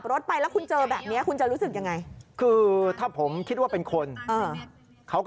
สวัสดีครับทุกคนวันนี้จะเป็นวันที่สุดท้ายในเมืองเมืองสุดท้าย